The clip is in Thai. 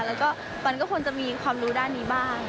แล้วก็มันก็ควรจะมีความรู้ด้านนี้บ้าง